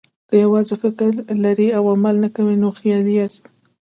که یوازې فکر لرئ او عمل نه کوئ، نو خیالي یاست.